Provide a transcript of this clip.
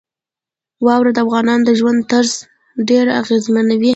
واوره د افغانانو د ژوند طرز ډېر اغېزمنوي.